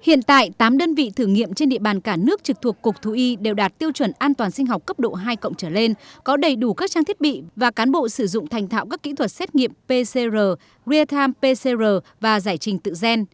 hiện tại tám đơn vị thử nghiệm trên địa bàn cả nước trực thuộc cục thú y đều đạt tiêu chuẩn an toàn sinh học cấp độ hai cộng trở lên có đầy đủ các trang thiết bị và cán bộ sử dụng thành thạo các kỹ thuật xét nghiệm pcr rear time pcr và giải trình tự gen